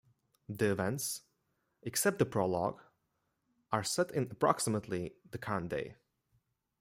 The events, except the prologue, are set in approximately the current day.